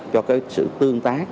cho cái sự tương tác